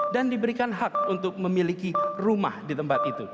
dan diberikan hak untuk memiliki rumah di tempat itu